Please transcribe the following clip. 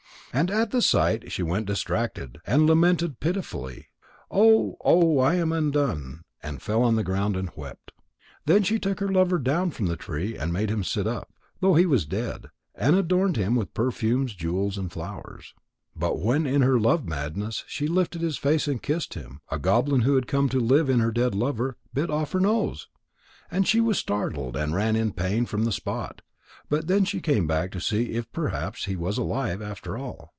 And at the sight she went distracted, and lamented pitifully: "Oh, oh! I am undone," and fell on the ground and wept. Then she took her lover down from the tree and made him sit up, though he was dead, and adorned him with perfumes and jewels and flowers. But when in her love madness she lifted his face and kissed him, a goblin who had come to live in her dead lover, bit off her nose. And she was startled and ran in pain from the spot. But then she came back to see if perhaps he was alive after all.